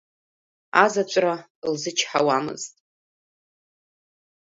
Азаҵәра лзычҳауамызт.